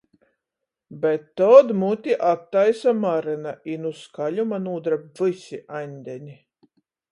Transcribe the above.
Bet tod muti attaisa Maryna, i nu skaļuma nūdreb vysi Aņdeni.